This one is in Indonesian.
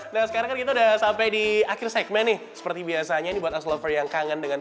nah sekarang kan kita udah sampai di akhir segmen nih seperti biasanya ini buat aslover yang kangen dengan